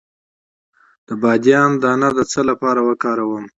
د بادیان دانه د څه لپاره وکاروم؟